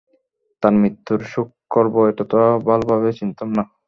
তার মৃত্যুর শোক করব এতটাও ভালোভাবে চিনতাম না।